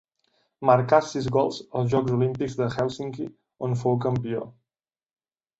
Marcà sis gols als Jocs Olímpics de Hèlsinki on fou campió.